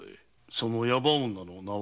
その矢場女の名は？